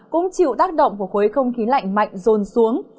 cũng chịu tác động của khối không khí lạnh mạnh rồn xuống